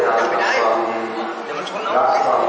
การพุทธศักดาลัยเป็นภูมิหลายการพุทธศักดาลัยเป็นภูมิหลาย